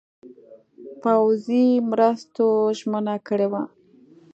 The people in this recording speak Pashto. پوځي مرستو ژمنه کړې وه.